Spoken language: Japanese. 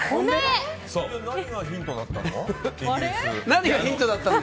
何がヒントだったの？